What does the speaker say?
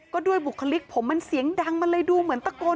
ก็ด้วยบุคลิกผมมันเสียงดังมันเลยดูเหมือนตะโกน